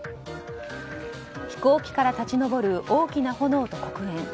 飛行機から立ち上る大きな炎と黒煙。